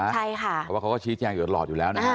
เพราะว่าเขาก็ชี้แจงอยู่ตลอดอยู่แล้วนะฮะ